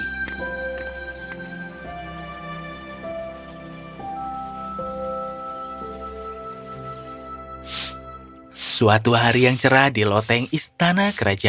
kerajaan seperti yang dijelaskan oleh raja